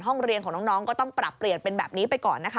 ห้องเรียนของน้องก็ต้องปรับเปลี่ยนเป็นแบบนี้ไปก่อนนะคะ